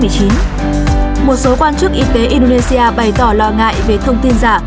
một số quan chức y tế indonesia bày tỏ lo ngại về thông tin giả